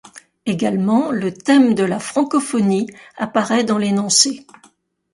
Également, le thème de la francophonie apparaît dans l'énoncé.